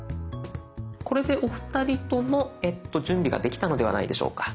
これでお二人とも準備ができたのではないでしょうか。